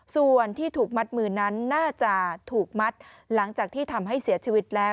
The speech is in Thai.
ส่วนที่ถูกมัดมือนั้นน่าจะถูกมัดหลังจากที่ทำให้เสียชีวิตแล้ว